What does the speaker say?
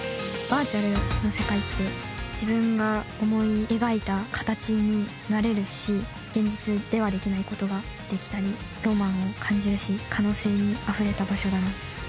バーチャルの世界って自分が思い描いた形になれるし現実ではできない事ができたりロマンを感じるし可能性にあふれた場所だな。